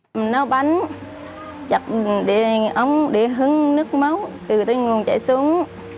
mình nấu bánh chặt đèn ống để hứng nước máu từ tên nguồn chạy xuống